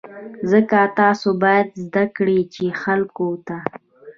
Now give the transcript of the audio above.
ځکه تاسو باید زده کړئ چې خلکو ته.